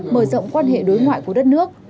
mở rộng quan hệ đối ngoại của đất nước